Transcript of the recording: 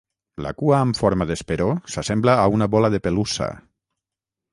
La cua amb forma d'esperó s'assembla a una bola de pelussa.